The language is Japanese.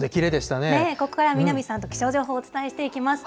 ここからは南さんと気象情報をお伝えしていきます。